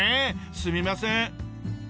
すみません。